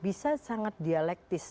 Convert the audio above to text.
bisa sangat dialektif